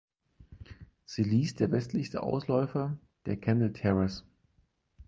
Sie list der westlichste Ausläufer der Kendall Terrace.